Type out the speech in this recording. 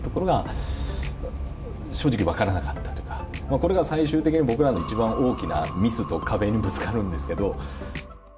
これが最終的に僕らの一番大きなミスと壁にぶつかるんですけど。